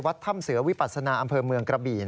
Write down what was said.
ถ้ำเสือวิปัสนาอำเภอเมืองกระบี่